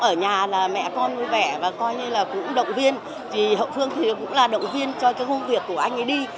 ở nhà mẹ con vẻ và coi như là cũng động viên hậu phương cũng là động viên cho công việc của anh ấy đi